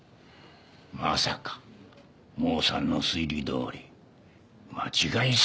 まさかモーさんの推理どおり間違い殺人じゃ。